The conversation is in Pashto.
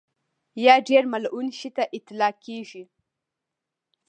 یا ډېر ملعون شي ته اطلاقېږي.